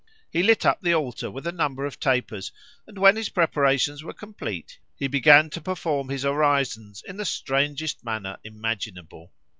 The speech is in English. He lit up the altar with a number of tapers, and when his preparations were complete, he began to perform his orisons in the strangest manner imaginable.